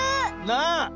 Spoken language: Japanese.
なあ。